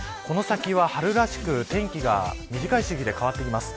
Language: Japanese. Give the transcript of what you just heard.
この先は春らしく天気が短い周期で変わってきます。